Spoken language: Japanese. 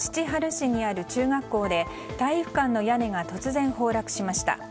市にある中学校で体育館の屋根が突然崩落しました。